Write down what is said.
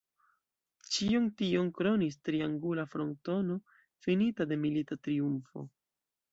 Ĉion tion kronis triangula frontono finita de milita triumfo.